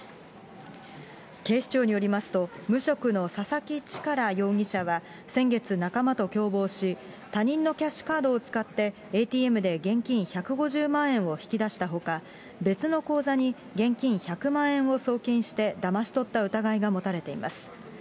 警視庁によりますと、無職の佐々木主税容疑者は先月、仲間と共謀し、他人のキャッシュカードを使って、ＡＴＭで現金１５０万円を引き出したほか、別の口座に現金１００万円を送金してだまし取った疑いが持たれています。